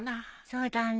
そうだね。